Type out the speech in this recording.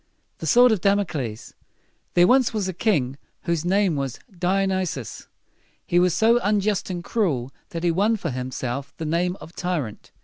THE SWORD OF DAMOCLES. There was once a king whose name was Di o nys´i us. He was so unjust and cruel that he won for himself the name of tyrant.